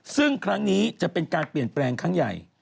ซึ่งครั้งนี้จะเป็นการเปลี่ยนแปลงครั้งใหญ่